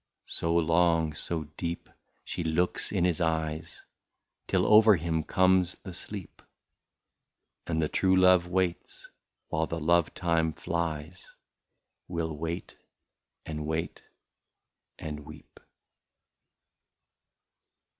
202 So long, so deep, she looks in his eyes, Till over him comes the sleep ; And the true love waits, while the love time flies, — Will wait, and wait, and weep.